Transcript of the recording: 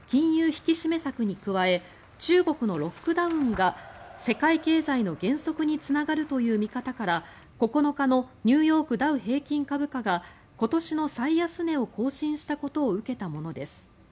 引き締め策に加え中国のロックダウンが世界経済の減速につながるという見方から９日のニューヨークダウ平均株価が今年の最安値を更新したことを受けたものです。